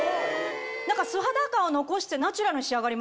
何か素肌感を残してナチュラルに仕上がりますね。